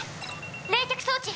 冷却装置！